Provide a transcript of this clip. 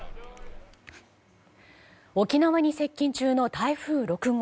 沖縄に接近中の台風６号。